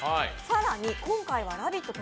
更に今回は「ラヴィット！」